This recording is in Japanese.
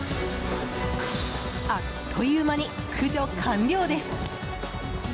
あっという間に、駆除完了です。